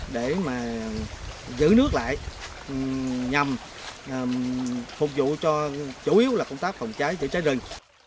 để mà giữ nước lại nhằm phục vụ cho chủ yếu là công tác phòng cháy chữa cháy rừng